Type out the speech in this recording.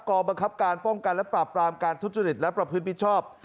บังคับการป้องกันและปราบปรามการทุจริตและประพฤติมิชชอบ